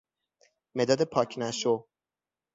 مداد پاک نشو